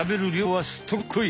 はい。